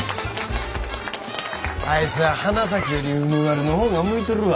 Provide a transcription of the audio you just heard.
あいつは花咲より梅丸の方が向いとるわ。